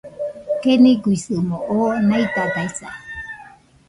Keniguisɨmo oo naidadaisa